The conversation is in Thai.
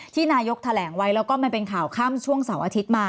นายกแถลงไว้แล้วก็มันเป็นข่าวค่ำช่วงเสาร์อาทิตย์มา